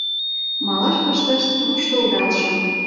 Малаш пыштышт, руштылдалшым.